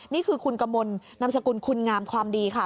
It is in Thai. นี่คือคุณกมลนามสกุลคุณงามความดีค่ะ